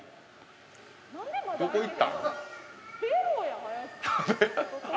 どこ行ったん？